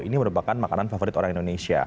ini merupakan makanan favorit orang indonesia